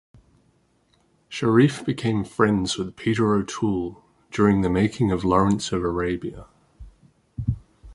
Sharif became friends with Peter O'Toole during the making of "Lawrence of Arabia".